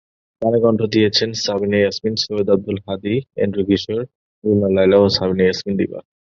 গানে কণ্ঠ দিয়েছেন সাবিনা ইয়াসমিন, সৈয়দ আব্দুল হাদী, এন্ড্রু কিশোর, রুনা লায়লা, ও শামীমা ইয়াসমিন দিবা।